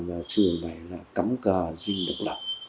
và xương bà là cấm cờ dinh lực lập